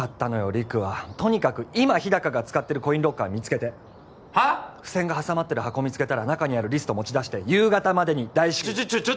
陸はとにかく今日高が使ってるコインロッカー見つけて付箋が挟まってる箱を見つけたら中にあるリストを持ち出して夕方までに大至急ちょちょちょ